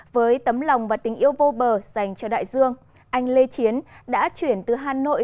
với tấm lòng và tình yêu vô bờ dành cho đại dương anh lê chiến đã chuyển từ hà nội